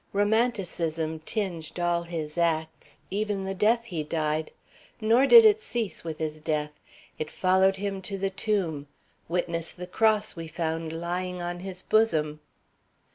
Romanticism tinged all his acts, even the death he died. Nor did it cease with his death. It followed him to the tomb. Witness the cross we found lying on his bosom."